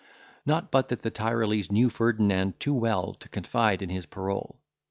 Not but that the Tyrolese knew Ferdinand too well to confide in his parole.